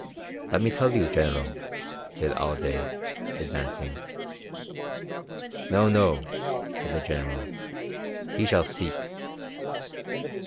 "Let me tell you, General," said Alday, advancing. "No, no," said the General; "he shall speak."